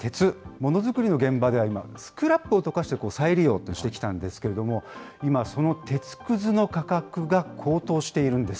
もの作りの現場では今、スクラップを溶かして再利用してきたんですけれども、今、その鉄くずの価格が高騰しているんです。